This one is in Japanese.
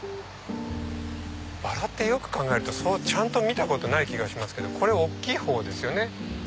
バラってよく考えるとちゃんと見たことない気がしますけどこれ大きいほうですよね。